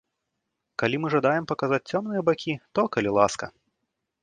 Калі мы жадаем паказаць цёмныя бакі, то калі ласка!